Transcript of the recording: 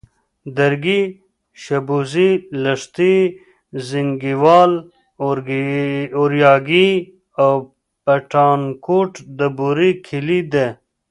درگۍ، شبوزې، لښتي، زينگيوال، اورياگی او پټانکوټ د بوري کلي دي.